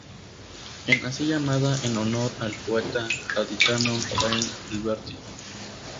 Es así llamada en honor al poeta gaditano Rafael Alberti.